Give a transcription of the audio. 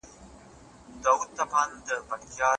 چي اصل تصویر پټ وي